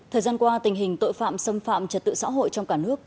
thời gian qua tình hình tội phạm xâm phạm trật tự xã hội trong cả nước